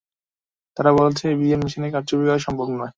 তারা বলছে ইভিএম মেশিনে কারচুপি করা সম্ভব নয়।